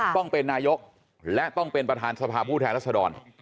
ต้องเป็นนายกและต้องเป็นประธานสภาพผู้แทนรัศดร